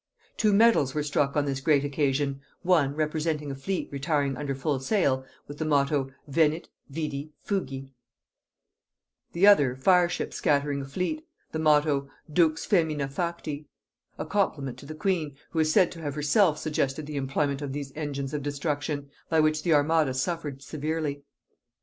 Two medals were struck on this great occasion; one, representing a fleet retiring under full sail, with the motto, "Venit, vidit, fugit;" the other, fire ships scattering a fleet; the motto, "Dux fæmina facti;" a compliment to the queen, who is said to have herself suggested the employment of these engines of destruction, by which the armada suffered severely.